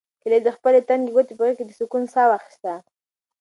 هیلې د خپلې تنګې کوټې په غېږ کې د سکون ساه واخیسته.